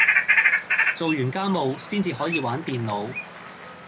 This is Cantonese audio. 做完家務先至可以玩電腦